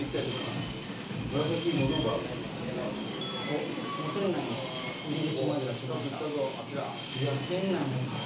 おっもう店内の入り口までは来ました。